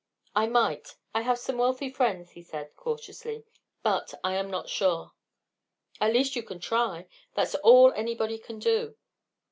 "I might. I have some wealthy friends," he said, cautiously. "But I am not sure." "At least you can try? That's all anybody can do."